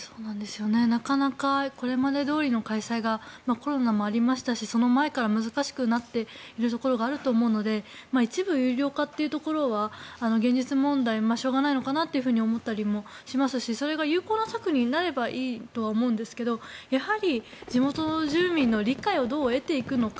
なかなかこれまでどおりの開催がコロナもありましたしその前から難しくなっているところがあると思うので一部有料化というところは現実問題しょうがないのかなと思ったりもしますしそれが有効な策になればいいとは思うんですけどやはり、地元住民の理解をどう得ていくのか。